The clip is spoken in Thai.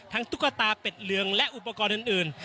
ตุ๊กตาเป็ดเหลืองและอุปกรณ์อื่น